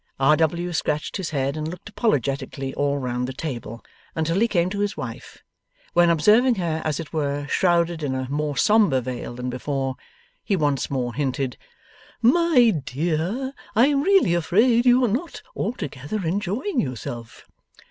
R. W. scratched his head and looked apologetically all round the table until he came to his wife, when observing her as it were shrouded in a more sombre veil than before, he once more hinted, 'My dear, I am really afraid you are not altogether enjoying yourself?